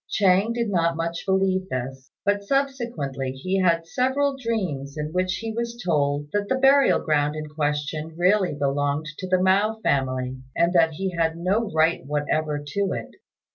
Chang did not much believe this; but subsequently he had several dreams in which he was told that the burial ground in question really belonged to the Mao family, and that he had no right whatever to it.